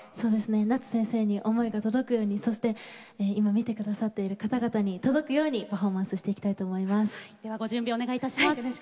夏先生に思いが届くように今見ている方々に届くようにパフォーマンスしていきたいと思います。